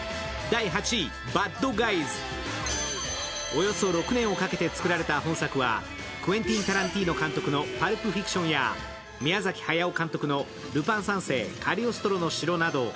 およそ６年をかけて作られた本作は、クエンティン・タランティーノ監督の「パルプ・フィクション」や宮崎駿監督の「ルパン三世カリオストロの城」など。